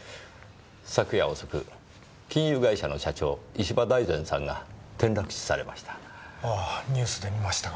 昨夜遅く金融会社の社長石場大善さんが転落死されました。